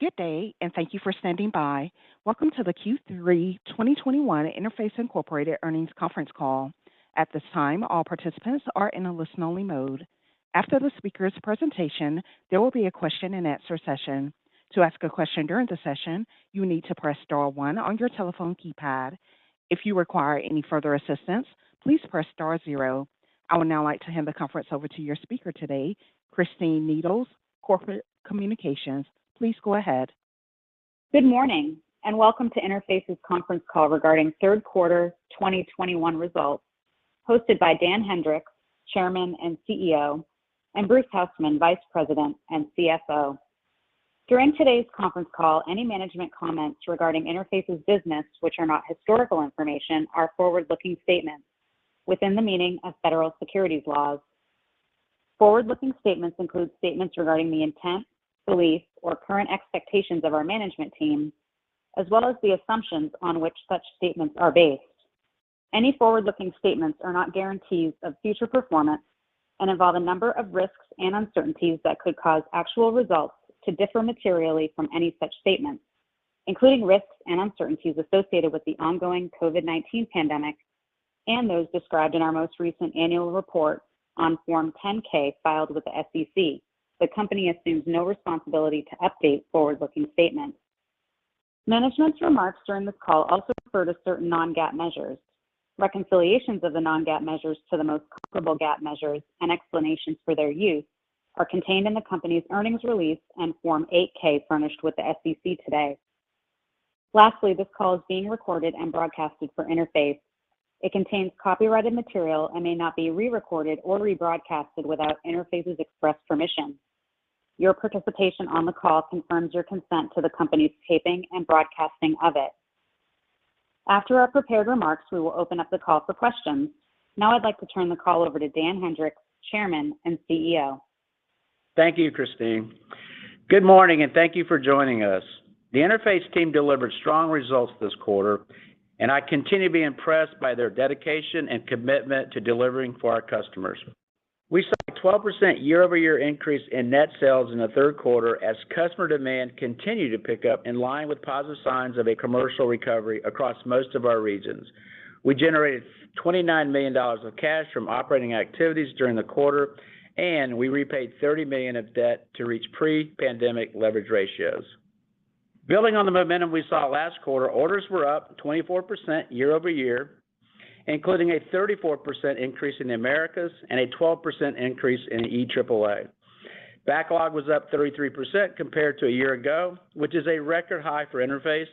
Good day and thank you for standing by. Welcome to the Q3 2021 Interface, Incorporated Earnings Conference Call. At this time, all participants are in a listen-only mode. After the speaker's presentation, there will be a question-and-answer session. To ask a question during the session, you need to press star one on your telephone keypad. If you require any further assistance, please press star zero. I would now like to hand the conference over to your speaker today, Christine Needles, Corporate Communications. Please go ahead. Good morning and welcome to Interface's conference call regarding Third Quarter 2021 results hosted by Dan Hendrix, Chairman and CEO, and Bruce Hausmann, Vice President and CFO. During today's conference call, any management comments regarding Interface's business, which are not historical information, are forward-looking statements within the meaning of federal securities laws. Forward-looking statements include statements regarding the intent, belief, or current expectations of our management team, as well as the assumptions on which such statements are based. Any forward-looking statements are not guarantees of future performance and involve a number of risks and uncertainties that could cause actual results to differ materially from any such statements, including risks and uncertainties associated with the ongoing COVID-19 pandemic and those described in our most recent annual report on Form 10-K filed with the SEC. The company assumes no responsibility to update forward-looking statements. Management's remarks during this call also refer to certain non-GAAP measures. Reconciliations of the non-GAAP measures to the most comparable GAAP measures and explanations for their use are contained in the company's earnings release on Form 8-K furnished with the SEC today. Lastly, this call is being recorded and broadcasted for Interface. It contains copyrighted material and may not be re-recorded or rebroadcasted without Interface's express permission. Your participation on the call confirms your consent to the company's taping and broadcasting of it. After our prepared remarks, we will open up the call for questions. Now I'd like to turn the call over to Dan Hendrix, Chairman and CEO. Thank you, Christine. Good morning and thank you for joining us. The Interface team delivered strong results this quarter and I continue to be impressed by their dedication and commitment to delivering for our customers. We saw a 12% year-over-year increase in net sales in the third quarter as customer demand continue to pick up in line with positive signs of a commercial recovery across most of our regions. We generated $29 million of cash from operating activities during the quarter and we repaid $30 million of debt to reach pre-pandemic leverage ratios. Building on the momentum we saw last quarter, orders were up 24% year-over-year, including a 34% increase in the Americas and a 12% increase in the EAAA. Backlog was up 33% compared to a year ago, which is a record high for Interface,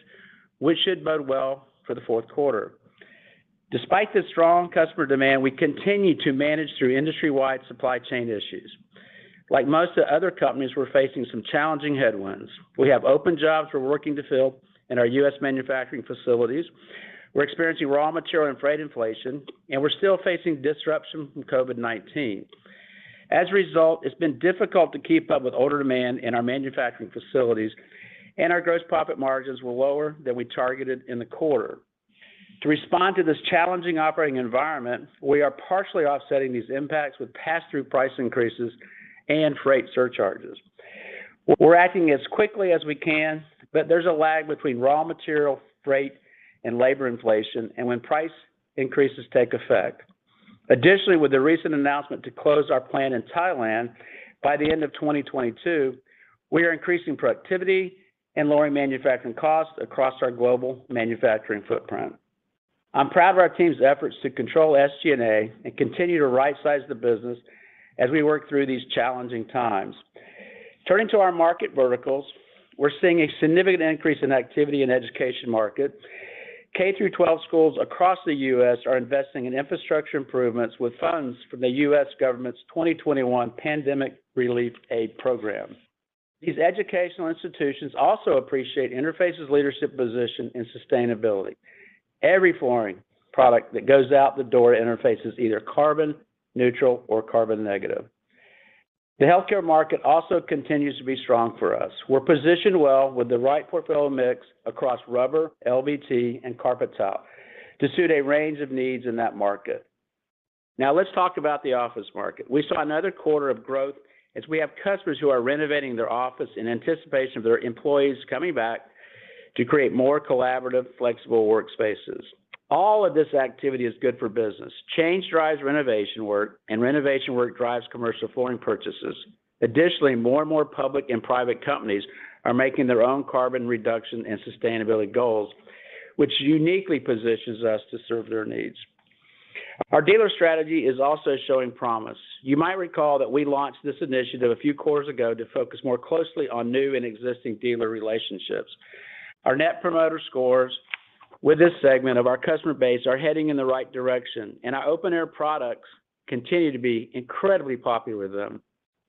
which should bode well for the fourth quarter. Despite the strong customer demand, we continue to manage through industry-wide supply chain issues. Like most of the other companies, we're facing some challenging headwinds. We have open jobs we're working to fill in our U.S. manufacturing facilities. We're experiencing raw material and freight inflation and we're still facing disruption from COVID-19. As a result, it's been difficult to keep up with order demand in our manufacturing facilities and our gross profit margins were lower than we targeted in the quarter. To respond to this challenging operating environment, we are partially offsetting these impacts with passthrough price increases and freight surcharges. We're acting as quickly as we can, but there's a lag between raw material, freight, and labor inflation and when price increases take effect. Additionally, with the recent announcement to close our plant in Thailand by the end of 2022, we are increasing productivity and lowering manufacturing costs across our global manufacturing footprint. I'm proud of our team's efforts to control SG&A and continue to right-size the business as we work through these challenging times. Turning to our market verticals, we're seeing a significant increase in activity in education markets. K-12 schools across the U.S. are investing in infrastructure improvements with funds from the U.S. government's 2021 pandemic relief aid program. These educational institutions also appreciate Interface's leadership position in sustainability. Every flooring product that goes out the door, Interface is either carbon neutral or carbon negative. The healthcare market also continues to be strong for us. We're positioned well with the right portfolio mix across rubber, LVT, and carpet tile to suit a range of needs in that market. Now let's talk about the office market. We saw another quarter of growth as we have customers who are renovating their office in anticipation of their employees coming back to create more collaborative, flexible workspaces. All of this activity is good for business. Change drives renovation work, and renovation work drives commercial flooring purchases. Additionally, more and more public and private companies are making their own carbon reduction and sustainability goals, which uniquely positions us to serve their needs. Our dealer strategy is also showing promise. You might recall that we launched this initiative a few quarters ago to focus more closely on new and existing dealer relationships. Our Net Promoter Scores with this segment of our customer base are heading in the right direction and our Open Air products continue to be incredibly popular with them.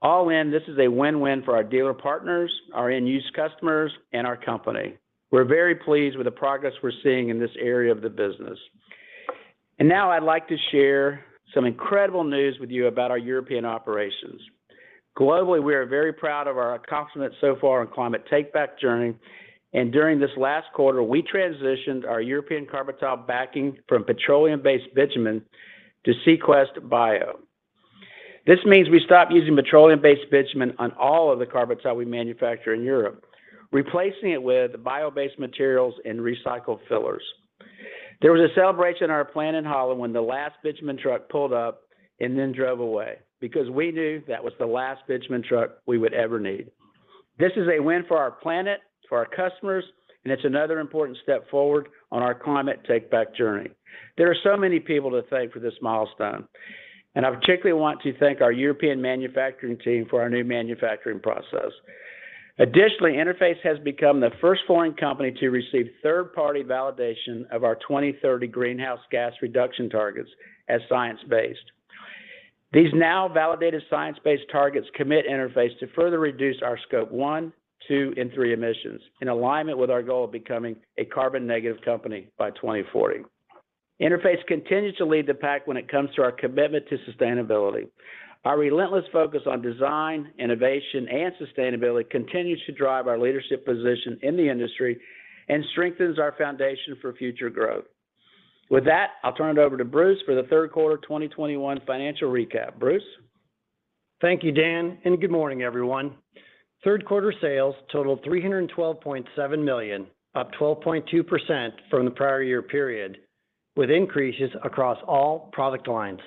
All in, this is a win-win for our dealer partners, our end-use customers, and our company. We're very pleased with the progress we're seeing in this area of the business. Now I'd like to share some incredible news with you about our European operations. Globally, we are very proud of our accomplishments so far on Climate Take Back journey, and during this last quarter, we transitioned our European carpet tile backing from petroleum-based bitumen to CQuest Bio. This means we stop using petroleum-based bitumen on all of the carpet tile we manufacture in Europe, replacing it with bio-based materials and recycled fillers. There was a celebration at our plant in Holland when the last bitumen truck pulled up and then drove away because we knew that was the last bitumen truck we would ever need. This is a win for our planet, for our customers, and it's another important step forward on our Climate Take Back journey. There are so many people to thank for this milestone and I particularly want to thank our European manufacturing team for our new manufacturing process. Additionally, Interface has become the first foreign company to receive third-party validation of our 2030 greenhouse gas reduction targets as science-based. These now validated science-based targets commit Interface to further reduce our Scope 1, 2, and 3 emissions in alignment with our goal of becoming a carbon negative company by 2040. Interface continues to lead the pack when it comes to our commitment to sustainability. Our relentless focus on design, innovation, and sustainability continues to drive our leadership position in the industry and strengthens our foundation for future growth. With that, I'll turn it over to Bruce for the third quarter of 2021 financial recap. Bruce? Thank you, Dan, and good morning, everyone. Third quarter sales totaled $312.7 million, up 12.2% from the prior year period with increases across all product lines.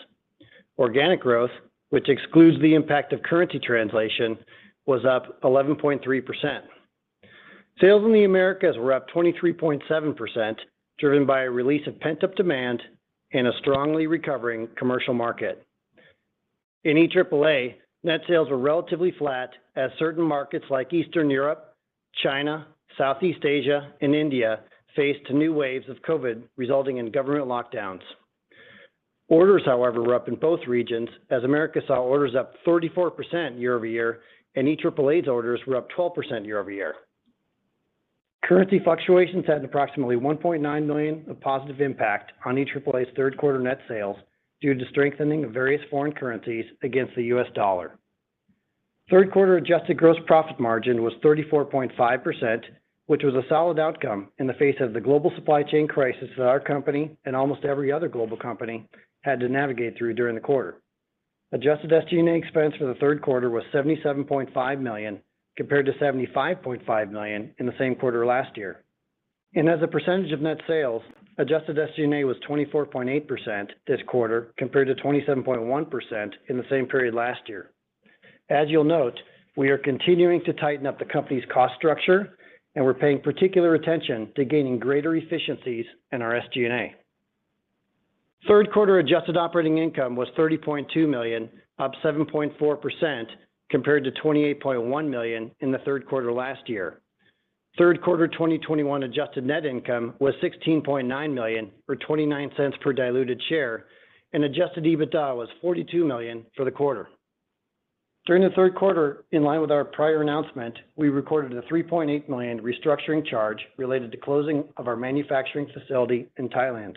Organic growth, which excludes the impact of currency translation, was up 11.3%. Sales in the Americas were up 23.7% driven by a release of pent-up demand in a strongly recovering commercial market. In EAAA, net sales were relatively flat as certain markets like Eastern Europe, China, Southeast Asia, and India faced new waves of COVID resulting in government lockdowns. Orders, however, were up in both regions as Americas saw orders up 34% year-over-year, and EAAA's orders were up 12% year-over-year. Currency fluctuations had an approximately $1.9 million of positive impact on EAAA's third quarter net sales due to strengthening of various foreign currencies against the U.S. dollar. Third quarter adjusted gross profit margin was 34.5%, which was a solid outcome in the face of the global supply chain crisis that our company and almost every other global company had to navigate through during the quarter. Adjusted SG&A expense for the third quarter was $77.5 million compared to $75.5 million in the same quarter last year. As a percentage of net sales, adjusted SG&A was 24.8% this quarter compared to 27.1% in the same period last year. As you'll note, we are continuing to tighten up the company's cost structure, and we're paying particular attention to gaining greater efficiencies in our SG&A. Third quarter adjusted operating income was $30.2 million, up 7.4% compared to $28.1 million in the third quarter last year. Third quarter 2021 adjusted net income was $16.9 million, or $0.29 per diluted share, and adjusted EBITDA was $42 million for the quarter. During the third quarter, in line with our prior announcement, we recorded a $3.8 million restructuring charge related to closing of our manufacturing facility in Thailand.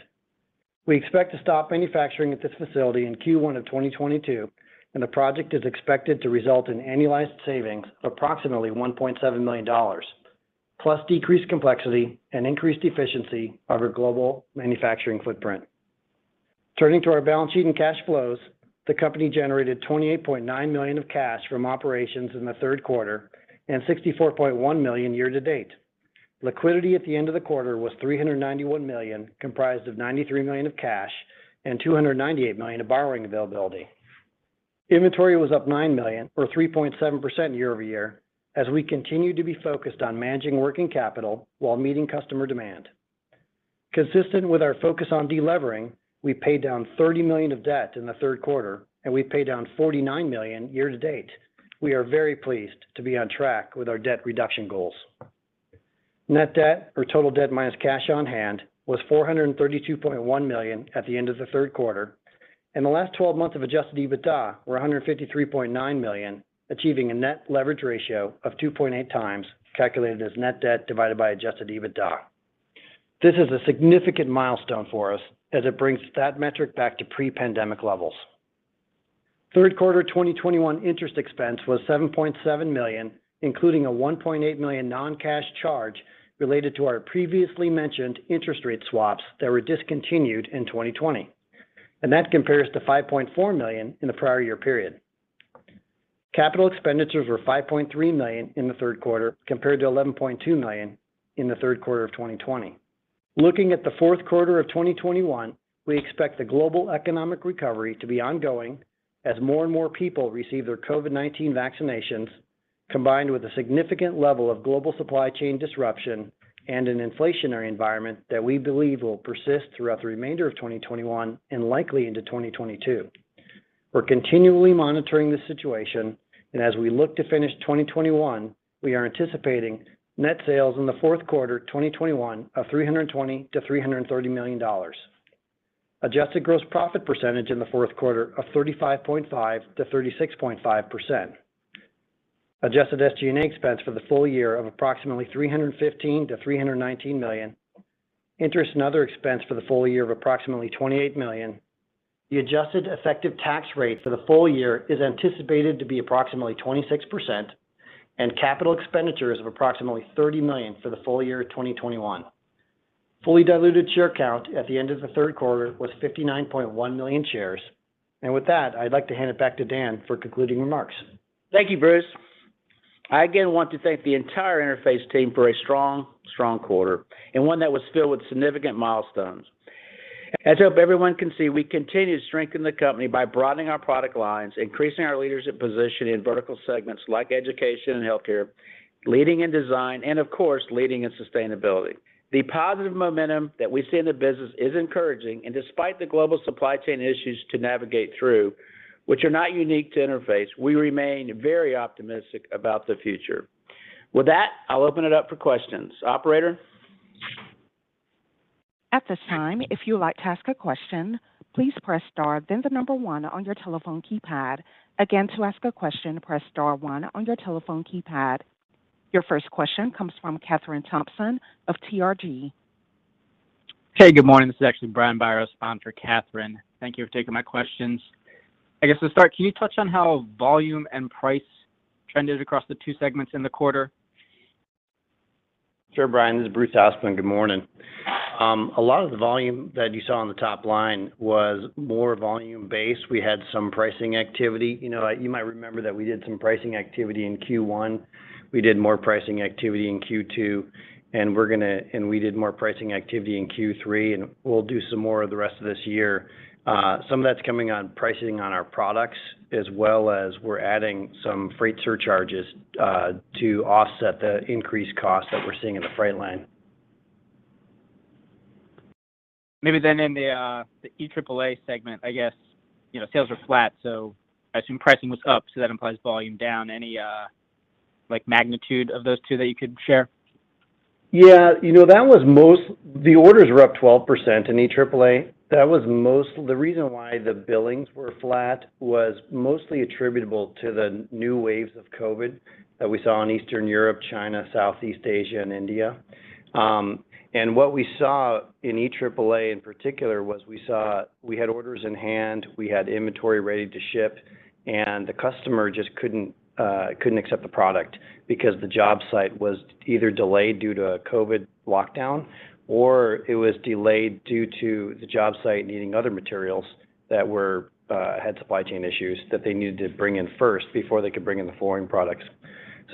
We expect to stop manufacturing at this facility in Q1 of 2022, and the project is expected to result in annualized savings of approximately $1.7 million, plus decreased complexity, and increased efficiency of our global manufacturing footprint. Turning to our balance sheet and cash flows, the company generated $28.9 million of cash from operations in the third quarter and $64.1 million year-to-date. Liquidity at the end of the quarter was $391 million, comprised of $93 million of cash and $298 million of borrowing availability. Inventory was up $9 million or 3.7% year-over-year, as we continue to be focused on managing working capital while meeting customer demand. Consistent with our focus on delevering, we paid down $30 million of debt in the third quarter, and we paid down $49 million year-to-date. We are very pleased to be on track with our debt reduction goals. Net debt or total debt minus cash on han was $432.1 million at the end of the third quarter, and the last twelve months of adjusted EBITDA were $153.9 million, achieving a net leverage ratio of 2.8x, calculated as net debt divided by adjusted EBITDA. This is a significant milestone for us as it brings that metric back to pre-pandemic levels. Third quarter 2021 interest expense was $7.7 million, including a $1.8 million non-cash charge related to our previously mentioned interest rate swaps that were discontinued in 2020 and that compares to $5.4 million in the prior year period. Capital expenditures were $5.3 million in the third quarter compared to $11.2 million in the third quarter of 2020. Looking at the fourth quarter of 2021, we expect the global economic recovery to be ongoing as more and more people receive their COVID-19 vaccinations, combined with a significant level of global supply chain disruption, and an inflationary environment that we believe will persist throughout the remainder of 2021, and likely into 2022. We're continually monitoring the situation, and as we look to finish 2021, we are anticipating net sales in the fourth quarter 2021 of $320 million to $330 million. Adjusted gross profit percentage in the fourth quarter of 35.5% to 36.5%. Adjusted SG&A expense for the full-year of approximately $315 million to $319 million. Interest and other expense for the full-year of approximately $28 million. The adjusted effective tax rate for the full-year is anticipated to be approximately 26%, and capital expenditures of approximately $30 million for the full-year 2021. Fully diluted share count at the end of the third quarter was 59.1 million shares. With that, I'd like to hand it back to Dan for concluding remarks. Thank you, Bruce. I, again, want to thank the entire Interface team for a strong, strong quarter, and one that was filled with significant milestones. As I hope everyone can see, we continue to strengthen the company by broadening our product lines, increasing our leadership position in vertical segments like education and healthcare, leading in design and, of course, leading in sustainability. The positive momentum that we see in the business is encouraging, and despite the global supply chain issues to navigate through, which are not unique to Interface, we remain very optimistic about the future. With that, I'll open it up for questions. Operator? At this time, if you would like to ask a question, please press star then the number one on your telephone keypad. Again, to ask a question, press star one on your telephone keypad. Your first question comes from Kathryn Thompson of TRG. Hey, good morning. This is actually Brian Biros on for Kathryn TRG. Thank you for taking my questions. To start, can you touch on how volume and price trended across the two segments in the quarter? Sure, Brian, this is Bruce Hausmann. Good morning. A lot of the volume that you saw on the top line was more volume-based. We had some pricing activity. You might remember that we did some pricing activity in Q1. We did more pricing activity in Q2, and we did more pricing activity in Q3, and we'll do some more the rest of this year. Some of that's coming on pricing on our products as well as we're adding some freight surcharges to offset the increased costs that we're seeing in the freight line. Maybe then in the EAAA segment, you know, sales are flat, so I assume pricing was up, so that implies volume down. Any magnitude of those two that you could share? Yeah, you know, the orders were up 12% in EAAA. The reason why the billings were flat was mostly attributable to the new waves of COVID that we saw in Eastern Europe, China, Southeast Asia, and India. What we saw in EAAA in particular was we had orders in hand, we had inventory ready to ship, and the customer just couldn't accept the product because the jobsite was either delayed due to a COVID lockdown or it was delayed due to the jobsite needing other materials that had supply chain issues that they needed to bring in first before they could bring in the flooring products.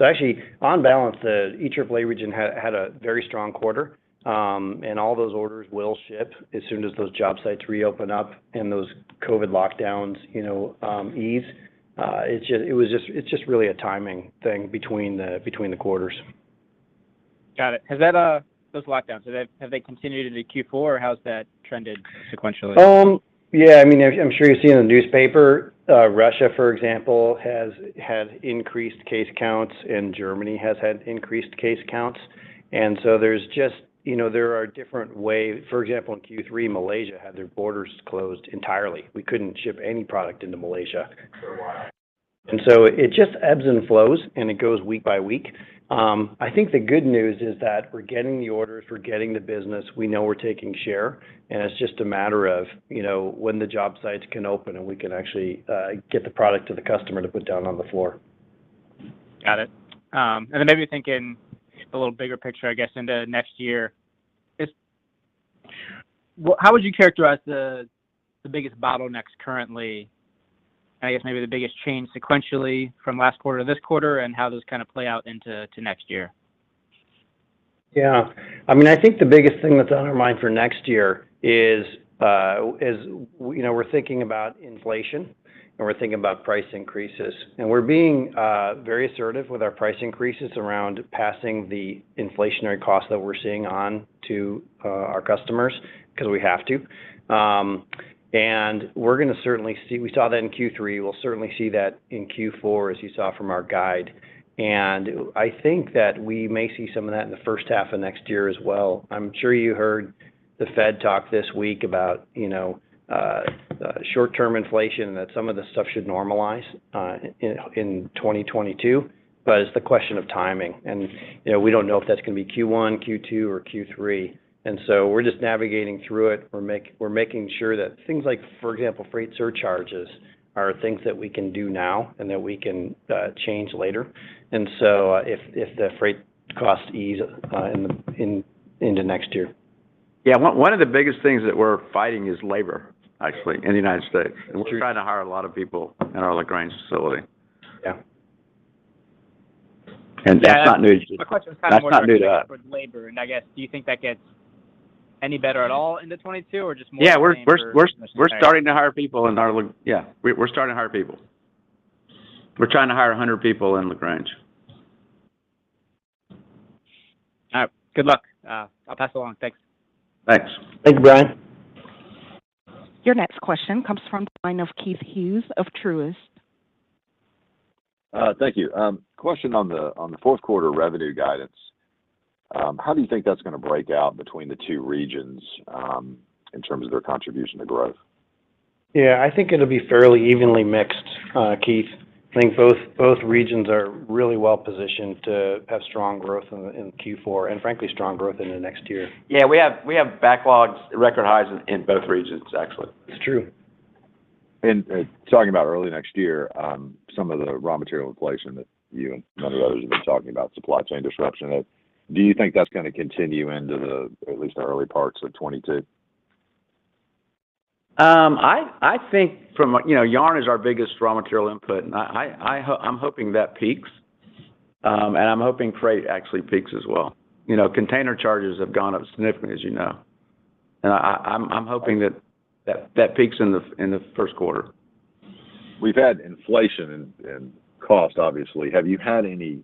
Actually, on balance, the EAAA region had a very strong quarter, and all those orders will ship as soon as those jobsites reopen up and those COVID lockdowns, you know, ease. It's just really a timing thing between the quarters. Got it. Has that, those lockdowns, have they continued into Q4, or how has that trended sequentially? Yeah, I mean, I'm sure you've seen in the newspaper, Russia, for example, has had increased case counts, and Germany has had increased case counts. There's just, you know, different ways. For example, in Q3, Malaysia had their borders closed entirely. We couldn't ship any product into Malaysia. It just ebbs and flows, and it goes week by week. I think the good news is that we're getting the orders, we're getting the business, we know we're taking share, and it's just a matter of, you know, when the jobsites can open, and we can actually get the product to the customer to put down on the floor. Got it. Maybe thinking a little bigger picture into next year, just how would you characterize the biggest bottlenecks currently, maybe the biggest change sequentially from last quarter to this quarter and how those kind of play out into next year? Yeah. I mean, I think the biggest thing that's on our mind for next year is, you know, we're thinking about inflation, and we're thinking about price increases. We're being very assertive with our price increases around passing the inflationary costs that we're seeing on to our customers because we have to. We saw that in Q3. We'll certainly see that in Q4, as you saw from our guide. I think that we may see some of that in the first half of next year as well. I'm sure you heard the Fed talk this week about, you know, short-term inflation, and that some of the stuff should normalize in 2022, but it's the question of timing. We don't know if that's going to be Q1, Q2, or Q3. We're just navigating through it. We're making sure that things like, for example, freight surcharges are things that we can do now and that we can change later. If the freight costs ease into next year. Yeah. One of the biggest things that we're fighting is labor, actually, in the United States. We're trying to hire a lot of people in our LaGrange facility. Yeah. And that's not new. My question was kind of more. That's not new to us. For labor, do you think that gets any better at all into 2022 or just more of the same? Yeah, we're starting to hire people. We're trying to hire 100 people in LaGrange. All right. Good luck. I'll pass it along. Thanks. Thanks. Thank you, Brian. Your next question comes from the line of Keith Hughes of Truist. Thank you. Question on the fourth quarter revenue guidance, how do you think that's going to break out between the two regions in terms of their contribution to growth? Yeah. I think it'll be fairly evenly mixed, Keith. I think both regions are really well positioned to have strong growth in Q4, and frankly, strong growth into next year. Yeah, we have backlogs at record highs in both regions, actually. It's true. Talking about early next year, some of the raw material inflation that you and many others have been talking about, supply chain disruption. Do you think that's going to continue into the, at least the early parts of 2022? Yarn is our biggest raw material input. I'm hoping that peaks. I'm hoping freight actually peaks as well. Container charges have gone up significantly, as you know. I'm hoping that peaks in the first quarter. We've had inflation and cost, obviously, have you had any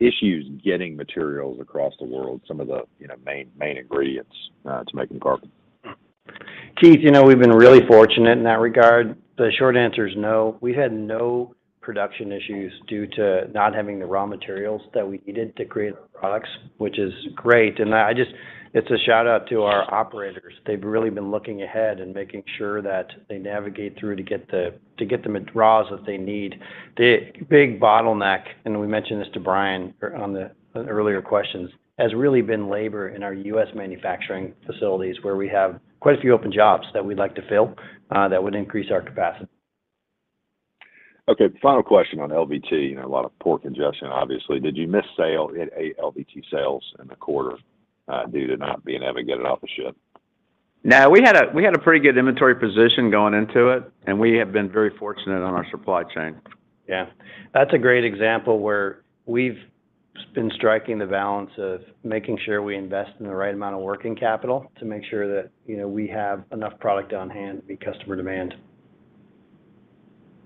issues getting materials across the world, some of the, you know, main ingredients to making carpet? Keith, you know, we've been really fortunate in that regard. The short answer is no. We've had no production issues due to not having the raw materials that we needed to create our products, which is great. It's a shout-out to our operators. They've really been looking ahead and making sure that they navigate through to get the materials that they need. The big bottleneck, and we mentioned this to Brian on the earlier questions, has really been labor in our U.S. manufacturing facilities where we have quite a few open jobs that we'd like to fill that would increase our capacity. Okay, final question on LVT, you know, a lot of port congestion, obviously. Did you miss sales, hit any LVT sales in the quarter, due to not being able to get it off the ship? No, we had a pretty good inventory position going into it and we have been very fortunate on our supply chain. Yeah. That's a great example where we've been striking the balance of making sure we invest in the right amount of working capital to make sure that, you know, we have enough product on hand to meet customer demand.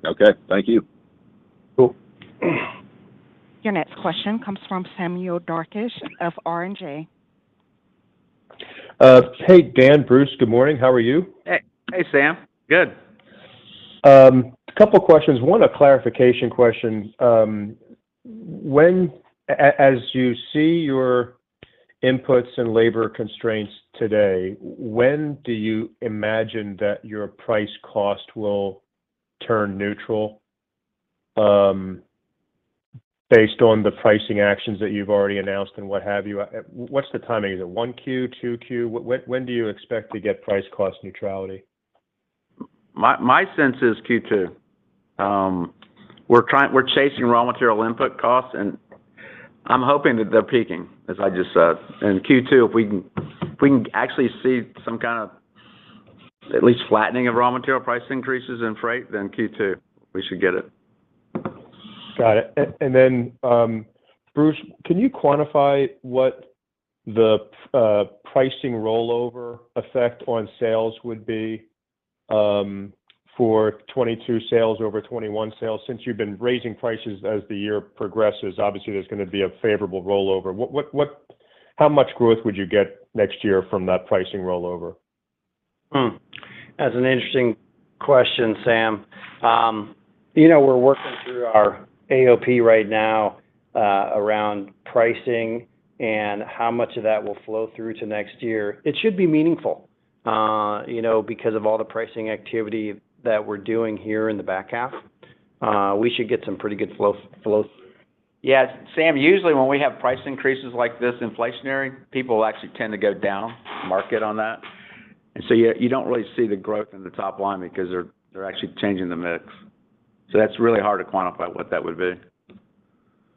Okay, thank you. Cool. Your next question comes from Samuel Darkatsh of Raymond James. Hey, Dan, Bruce. Good morning. How are you? Hey, Sam. Good. A couple questions, one, a clarification question. As you see your inputs and labor constraints today, when do you imagine that your price cost will turn neutral based on the pricing actions that you've already announced and what have you? What's the timing? Is it 1Q, 2Q? When do you expect to get price cost neutrality? My sense is Q2. We're chasing raw material input costs, and I'm hoping that they're peaking, as I just said. In Q2, if we can actually see some kind of at least flattening of raw material price increases and freight, then Q2, we should get it. Got it. Then, Bruce, can you quantify what the pricing rollover effect on sales would be for 2022 sales over 2021 sales? Since you've been raising prices as the year progresses, obviously, there's going to be a favorable rollover. How much growth would you get next year from that pricing rollover? That's an interesting question, Sam. We're working through our AOP right now around pricing and how much of that will flow through to next year. It should be meaningful, you know, because of all the pricing activity that we're doing here in the back half. We should get some pretty good flow. Yeah, Sam, usually when we have price increases like this, inflationary, people actually tend to go down market on that. You don't really see the growth in the top line because they're actually changing the mix. That's really hard to quantify what that would be.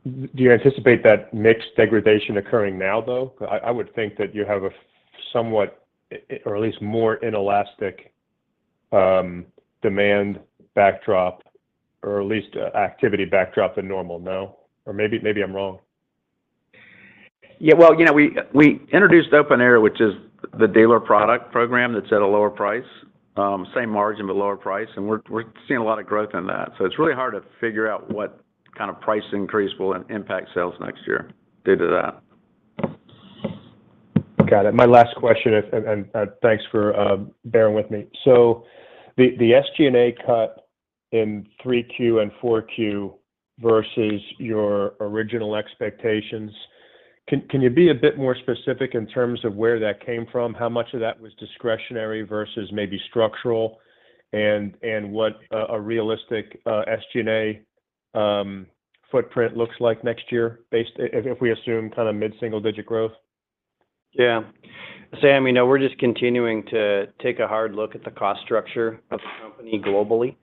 Do you anticipate that mix degradation occurring now, though? I would think that you have a somewhat, or at least more inelastic demand backdrop, or at least activity backdrop than normal, no, or maybe I'm wrong? Yeah, well, you know, we introduced Open Air, which is the dealer product program that's at a lower price. Same margin, but lower price, and we're seeing a lot of growth in that. It's really hard to figure out what kind of price increase will impact sales next year due to that. Got it. My last question is and thanks for bearing with me. The SG&A cut in 3Q and 4Q versus your original expectations, can you be a bit more specific in terms of where that came from? How much of that was discretionary versus maybe structural? What a realistic SG&A footprint looks like next year based, if we assume kind of mid-single-digit growth? Yeah. Sam, you know, we're just continuing to take a hard look at the cost structure of the company globally.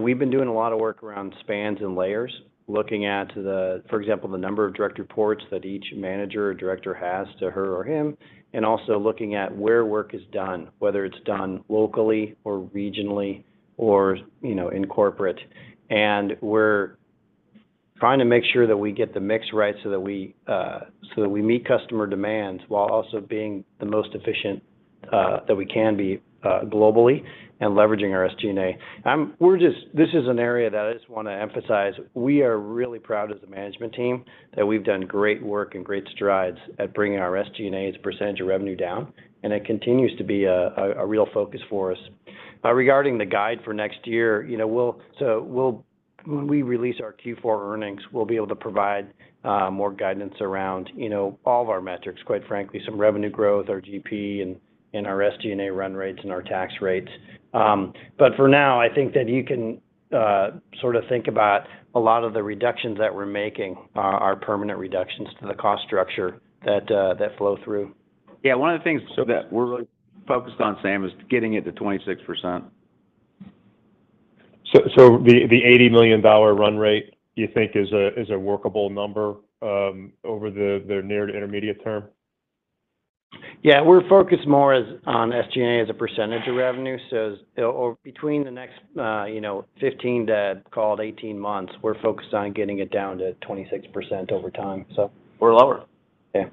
We've been doing a lot of work around spans and layers, looking at the, for example, the number of direct reports that each manager or director has to her or him, and also looking at where work is done, whether it's done locally or regionally or, you know, in corporate. We're trying to make sure that we get the mix right so that we meet customer demands while also being the most efficient that we can be globally and leveraging our SG&A. This is an area that I just want to emphasize. We are really proud as a management team that we've done great work, and great strides at bringing our SG&A as a percentage of revenue down, and it continues to be a real focus for us. Regarding the guide for next year, you know, when we release our Q4 earnings, we'll be able to provide more guidance around, you know, all of our metrics, quite frankly, some revenue growth, our GP, and our SG&A run rates and our tax rates. For now, I think that you can sort of think about a lot of the reductions that we're making are permanent reductions to the cost structure that flow through. Yeah, one of the things so that we're really focused on, Sam, is getting it to 26%. The $80 million run rate you think is a workable number over the near to intermediate term? Yeah. We're focused more so on SG&A as a percentage of revenue so between the next 15 to call it 18 months, we're focused on getting it down to 26% over time. Or lower. Yeah.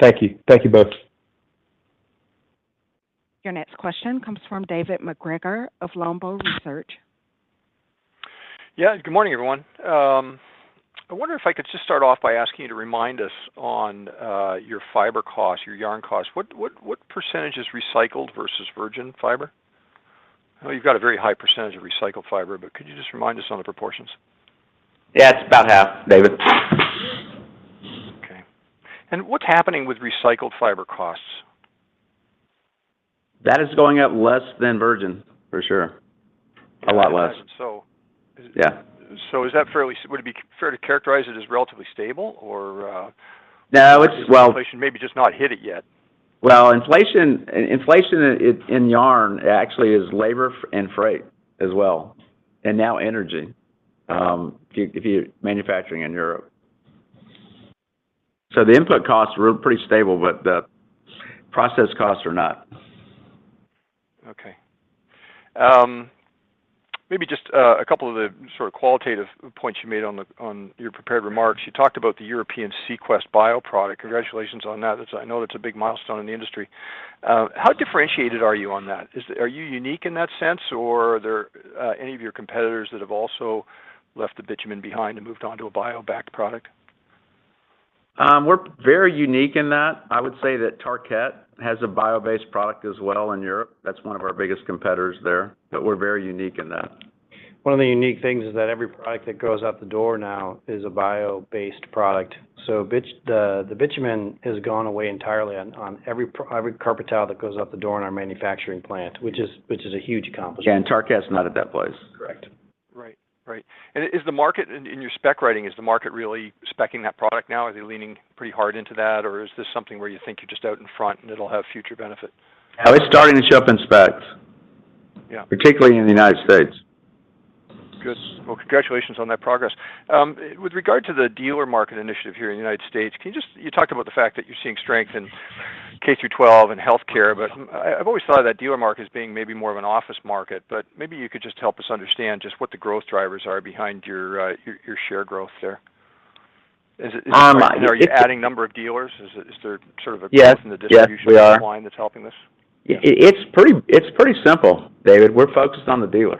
Thank you. Thank you both. Your next question comes from David MacGregor of Longbow Research. Yeah. Good morning, everyone. I wonder if I could just start off by asking you to remind us on your fiber costs, your yarn costs. What percentage is recycled versus virgin fiber? I know you've got a very high percentage of recycled fiber but could you just remind us on the proportions? Yeah. It's about half, David. Okay. What's happening with recycled fiber costs? That is going up less than virgin, for sure. A lot less. Is it? Yeah. Would it be fair to characterize it as relatively stable or No. Inflation maybe just not hit it yet? Well, inflation in yarn actually is labor and freight as well, and now energy, if you're manufacturing in Europe. The input costs were pretty stable but the process costs are not. Okay. Maybe just a couple of the sort of qualitative points you made on your prepared remarks. You talked about the European CQuest Bio product. Congratulations on that. I know that's a big milestone in the industry. How differentiated are you on that? Are you unique in that sense or are there any of your competitors that have also left the bitumen behind and moved on to a bio-backed product? We're very unique in that. I would say that Tarkett has a bio-based product as well in Europe. That's one of our biggest competitors there, but we're very unique in that. One of the unique things is that every product that goes out the door now is a bio-based product. The bitumen has gone away entirely on every carpet tile that goes out the door in our manufacturing plant, which is a huge accomplishment. Tarkett's not at that place. Correct. Right. Is the market in your spec writing, is the market really spec-ing that product now? Are they leaning pretty hard into that, or is this something where you think you're just out in front and it'll have future benefit? Oh, it's starting to show up in specs. Yeah. Particularly in the United States. Good. Well, congratulations on that progress. With regard to the dealer market initiative here in the United States, can you just. You talked about the fact that you're seeing strength in K-12 and healthcare, but I've always thought of that dealer market as being maybe more of an office market. Maybe you could just help us understand just what the growth drivers are behind your share growth there. Are you adding number of dealers? Is there sort of a growth in the distribution pipeline that's helping this?? Yes. Yes. Yes, they are. It's pretty simple, David. We're focused on the dealer.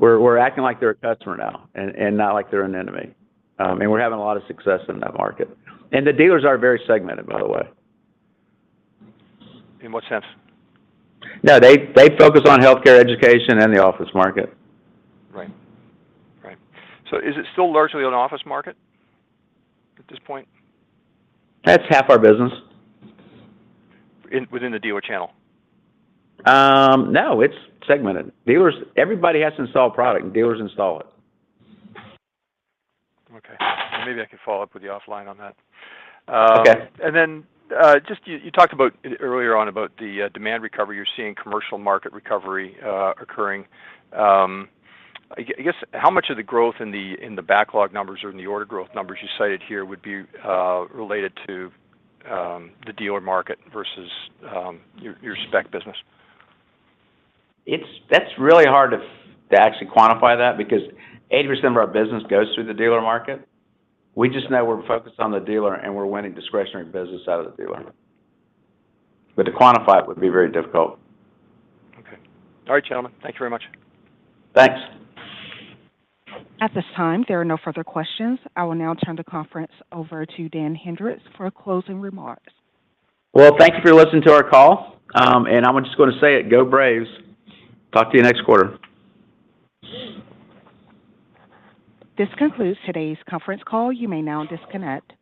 We're acting like they're a customer now and not like they're an enemy. We're having a lot of success in that market. The dealers are very segmented, by the way. In what sense? No. They focus on healthcare, education, and the office market. Right. Right. Is it still largely an office market at this point? That's half our business. Within the dealer channel? No, it's segmented. Dealers, everybody has to install product, and dealers install it. Okay. Maybe I can follow up with you offline on that. Okay. Then, just you talked about earlier on about the demand recovery. You're seeing commercial market recovery occurring. How much of the growth in the backlog numbers or in the order growth numbers you cited here would be related to the dealer market versus your spec business? That's really hard to actually quantify that because 80% of our business goes through the dealer market. We just know we're focused on the dealer and we're winning discretionary business out of the dealer. To quantify it would be very difficult. Okay. All right, gentlemen. Thank you very much. Thanks. At this time, there are no further questions. I will now turn the conference over to Dan Hendrix for closing remarks. Well, thank you for listening to our call, and I'm just going to say it, go Braves. Talk to you next quarter. This concludes today's conference call. You may now disconnect.